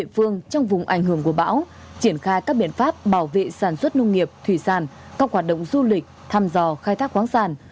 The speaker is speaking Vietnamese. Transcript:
trong vùng ảnh hưởng của bão triển khai các biện pháp bảo vệ sản xuất nông nghiệp thủy sản các hoạt động du lịch thăm dò khai thác khoáng sản